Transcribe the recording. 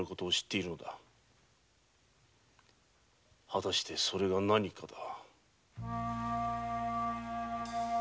はたしてそれが何かだ。